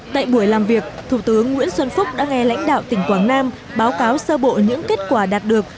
tại buổi làm việc thủ tướng nguyễn xuân phúc đã nghe lãnh đạo tỉnh quảng nam báo cáo sơ bộ những kết quả đạt được